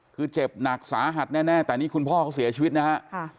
คือเจ็บหนักสาหัสแน่แต่นี่คุณพ่อเขาเสียชีวิตนะฮะ